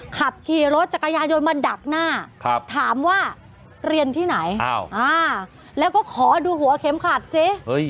ขับขี่รถจักรยานยนต์มาดักหน้าถามว่าเรียนที่ไหนแล้วก็ขอดูหัวเข็มขัดสิ